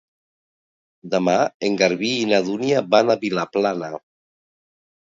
Demà en Garbí i na Dúnia van a Vilaplana.